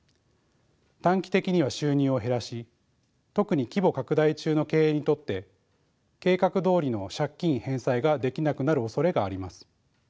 短期的には収入を減らし特に規模拡大中の経営にとって計画どおりの借金返済ができなくなるおそれがあります。